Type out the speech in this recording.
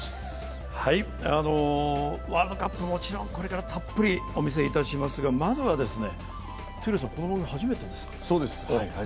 ワールドカップ、もちろんこれからたっぷりお見せいたしますが、まずは闘莉王さん、この番組、初めてですか。